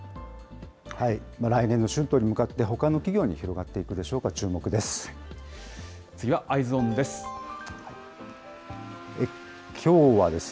来年の春闘に向かって、ほかの企業に広がっていくでしょうか、注目です。